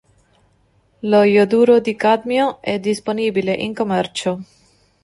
Lo ioduro di cadmio è disponibile in commercio.